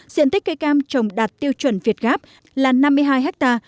diện tích cây cam trồng đạt tiêu chuẩn việt gáp là năm mươi hai ha